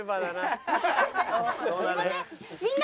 すみません。